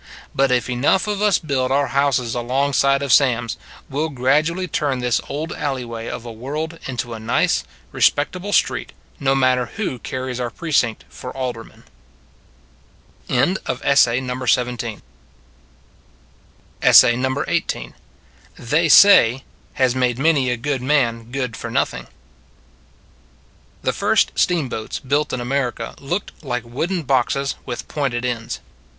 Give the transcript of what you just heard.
But if enough of us build our houses alongside of Sam s, we 11 gradually turn this old alleyway of a world into a nice, respectable street, no matter who car ries our precinct for alderman. "THEY SAY" HAS MADE MANY A GOOD MAN GOOD FOR NOTHING THE first steamboats built in America looked like wooden boxes with pointed ends.